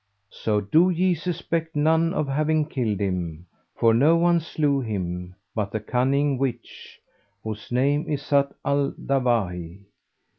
So do ye suspect none of having killed him, for no one slew him but the cunning witch, whose name is Zat al Dawahi.